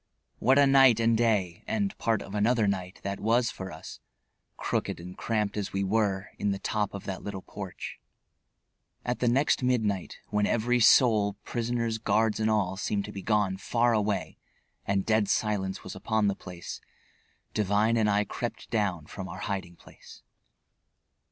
What a night and day and part of another night that was for us, crooked and cramped as we were, in the top of that little porch. At the next midnight, when every soul, prisoners, guards and all, seemed to be gone far away and dead silence was upon the place, Devine and I crept down from our hiding place.